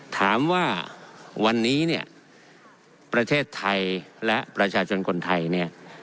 ถามว่าวันนี้ประเทศไทยและประชาชนคนไทย